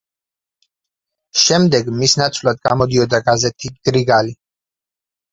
შემდეგ მის ნაცვლად გამოდიოდა გაზეთი „გრიგალი“.